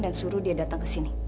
dan suruh dia datang ke sini